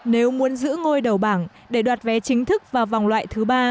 nếu muốn giữ ngôi đầu bảng để đoạt vé chính thức vào vòng loại thứ ba